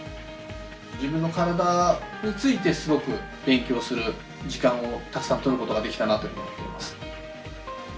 自分の体についてすごく勉強する時間をたくさん取ることができたなというふうに思っています。